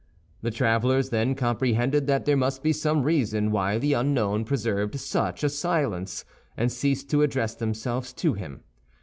The travelers then comprehended that there must be some reason why the unknown preserved such a silence, and ceased to address themselves to him.